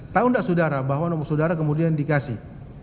tahu tidak saudara bahwa nomor saudara kemudian dikasih